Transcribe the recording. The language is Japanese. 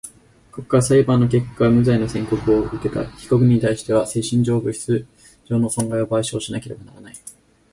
国家は裁判の結果無罪の宣告をうけた被告人にたいしては精神上、物質上の損害を賠償しなければならない。